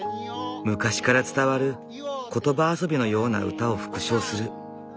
昔から伝わる言葉遊びのような歌を復唱する。